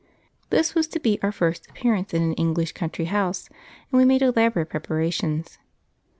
This was to be our first appearance in an English country house, and we made elaborate preparations.